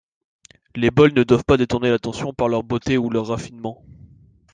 Les bols ne doivent pas détourner l'attention par leur beauté ou leur raffinement.